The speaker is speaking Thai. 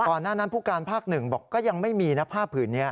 ตอนหน้านั้นภูการภาค๑บอกก็ยังไม่มีผ้าผืนนี้